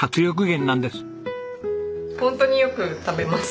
ホントによく食べます。